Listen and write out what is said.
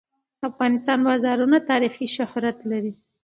د افغانستان بازارونه تاریخي شهرت لري.